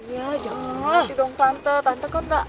iya jangan mati dong tante